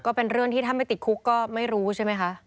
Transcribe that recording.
ก็เป็นเรื่องที่ถ้าไม่ติดคุกก็ไม่รู้ใช่ไหมคะ